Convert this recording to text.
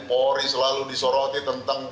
mori selalu disoroti tentang